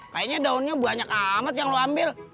kayaknya daunnya banyak amat yang lu ambil